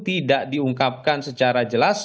tidak diungkapkan secara jelas